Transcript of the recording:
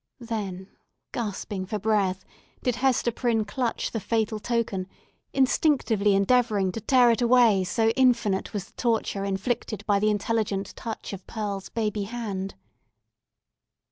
Then, gasping for breath, did Hester Prynne clutch the fatal token, instinctively endeavouring to tear it away, so infinite was the torture inflicted by the intelligent touch of Pearl's baby hand.